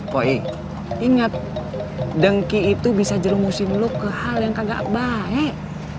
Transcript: woy ingat dengki itu bisa jelumusin lu ke hal yang kagak baik